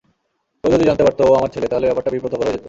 কেউ যদি জানতে পারত ও আমার ছেলে তাহলে ব্যাপারটা বিব্রতকর হয়ে যেত।